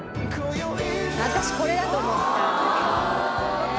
私これだと思った。